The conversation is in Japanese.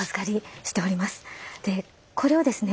でこれをですね